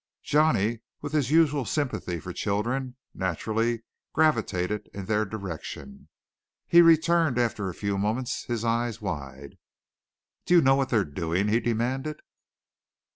Johnny, with his usual sympathy for children, naturally gravitated in their direction. He returned after a few moments, his eyes wide. "Do you know what they are doing?" he demanded.